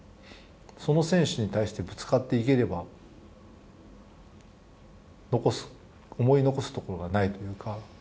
その選手に対してぶつかっていければ残す、思い残すところがないというか。